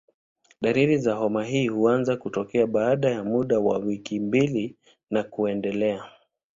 Dalili za homa hii huanza kuonekana baada ya muda wa wiki mbili na kuendelea.